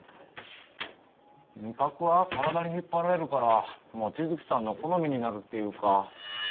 味覚は体に引っ張られるから望月さんの好みになるっていうか